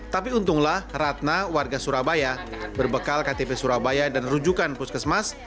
tapi untunglah ratna warga surabaya berbekal ktp surabaya dan rujukan puskesmas